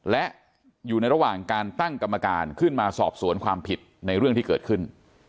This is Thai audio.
และอยู่ในระหว่างการตั้งกรรมการขึ้นมาสอบสวนความผิดในเรื่องที่เกิดขึ้น